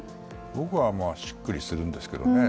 僕はしっくりするんですけどね。